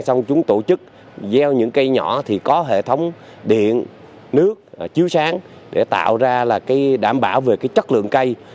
xong chúng tổ chức gieo những cây nhỏ thì có hệ thống điện nước chiếu sáng để tạo ra là cái đảm bảo về chất lượng cây